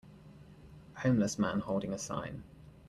Homeless man holding a sign.